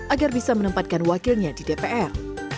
agar bisa menempatkan wakilnya di dpr